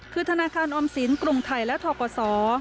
คือธนาคารออมสินกรุงไทยและทกศ